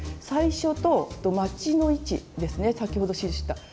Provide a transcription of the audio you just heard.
最初とまちの位置ですね先ほど印した。